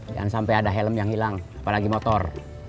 jangan sampai ada helm yang hilang apalagi motor